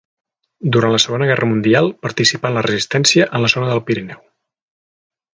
Durant la segona guerra mundial participà en la Resistència en la zona del Pirineu.